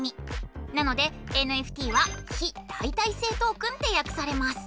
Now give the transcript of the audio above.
なのでＮＦＴは「非代替性トークン」ってやくされます。